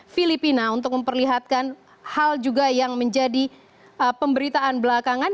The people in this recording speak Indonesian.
filipina untuk memperlihatkan hal juga yang menjadi pemberitaan belakangan